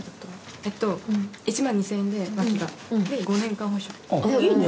えっと１万２０００円で脇がで５年間保証。